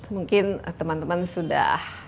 mungkin teman teman sudah